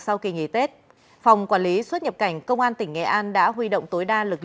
sau kỳ nghỉ tết phòng quản lý xuất nhập cảnh công an tỉnh nghệ an đã huy động tối đa lực lượng